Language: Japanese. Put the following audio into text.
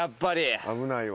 危ないわ。